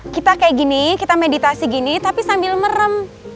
kita kayak gini kita meditasi gini tapi sambil merem